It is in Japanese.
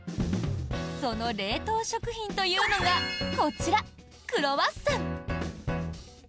その冷凍食品というのがこちらクロワッサン。